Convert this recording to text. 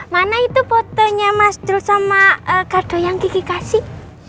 mana itu fotonya mas dul sama kado yang gigi kasih